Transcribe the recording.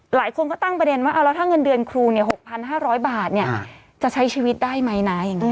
หลายคนก็ตั้งประเด็นว่าแล้วถ้าเงินเดือนครู๖๕๐๐บาทจะใช้ชีวิตได้ไหมนะอย่างนี้